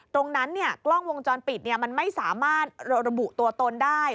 กล้องวงจรปิดมันไม่สามารถระบุตัวตนได้